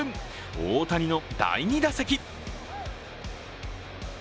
大谷の第２打席。